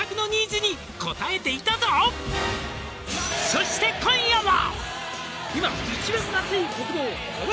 「そして今夜は」